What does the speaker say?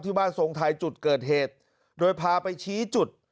บ้านทรงไทยจุดเกิดเหตุโดยพาไปชี้จุด